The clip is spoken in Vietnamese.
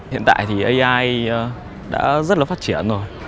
hiện tại thì ai đã rất là phát triển rồi